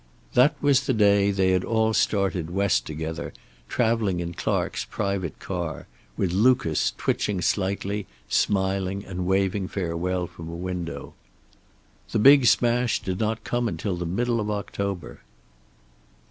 That was the day they had all started West together, traveling in Clark's private car, with Lucas, twitching slightly, smiling and waving farewell from a window. The big smash did not come until the middle of October.